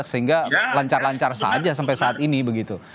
sehingga lancar lancar saja sampai saat ini begitu